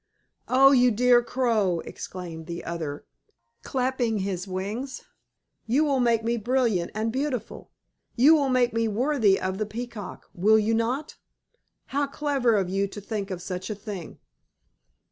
"Oh, you dear Crow!" exclaimed the other, clapping his wings. "You will make me brilliant and beautiful! You will make me worthy of the Peacock, will you not? How clever of you to think of such a thing!"